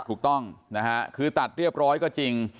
ถูกต้องนะฮะคือตัดเรียบร้อยก็จริง